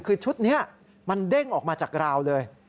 คือชุดนี้มันเด้งออกมาจากราวเลย